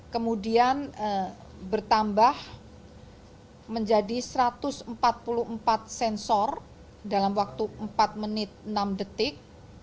kemudian bertambah menjadi satu ratus empat puluh empat sensor dalam waktu empat menit enam detik